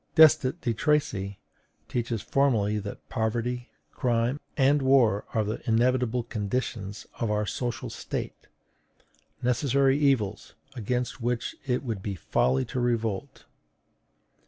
Destutt de Tracy teaches formally that poverty, crime, and war are the inevitable conditions of our social state; necessary evils, against which it would be folly to revolt.